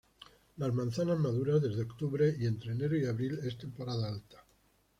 Las manzanas maduran desde octubre y entre enero y abril es temporada alta.